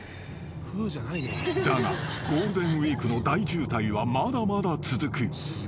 ［だがゴールデンウイークの大渋滞はまだまだ続く］